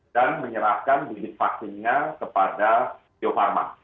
dan menyerahkan bibit vaksinnya kepada bio farma